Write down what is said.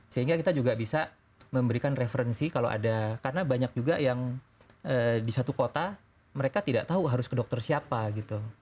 sehingga kita juga bisa memberikan referensi kalau ada karena banyak juga yang di satu kota mereka tidak tahu harus ke dokter siapa gitu